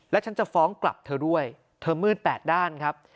และฉันจะฟ้องกลับเธอด้วยเธอมืดแปดด้านครับ